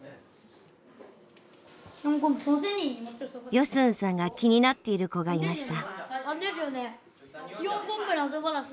ヨスンさんが気になっている子がいました。